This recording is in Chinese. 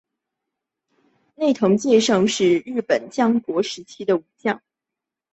内藤胜介是日本战国时代武将。